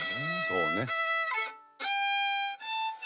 「そうね」